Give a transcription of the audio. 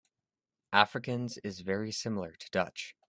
Afrikaans is very similar to Dutch.